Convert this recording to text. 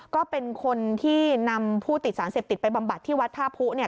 ก็เป็นคนที่นำผู้ติดสารเสพติดไปบำบัดที่วัดท่าผู้เนี่ย